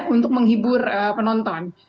untuk menghibur penonton